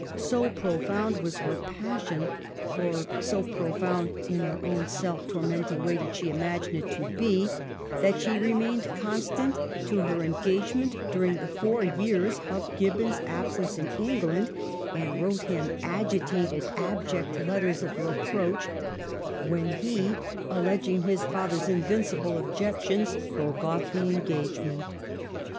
So profound was her passion— or so profound, in her self torment ing way, did she imagine it to be — that she Digitized by VjOOQIC 6 MADAME DE STAEL. remained constant to her engagement during the four years of Gibbon's absence in England, and wrote him agitated, abject letters of reproach, when he, alleging his father's invincible objec tions, broke off the engagement.